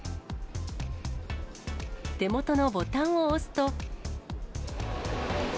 手元のボタンを押すと。